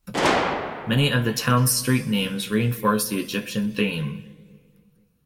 Many of the town's street names reinforce the "Egyptian" theme.